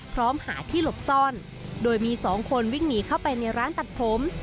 พร้อมหาที่หลบซ่อนโดยมีสองคนวิ่งหนีเข้าไปในร้านตัดผม